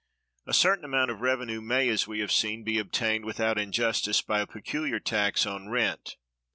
A certain amount of revenue may, as we have seen, be obtained without injustice by a peculiar tax on rent.